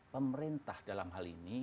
pemerintah dalam hal ini